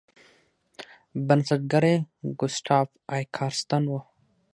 بنسټګر یې ګوسټاف ای کارستن و.